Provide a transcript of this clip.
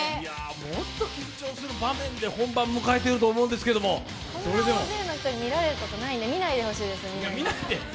もっと緊張する場面で、本番迎えてると思うんですけどこんな大勢の人に見られることないんで、見ないでほしいです。